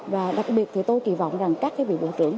và đặc biệt tôi kỳ vọng các vị bộ trưởng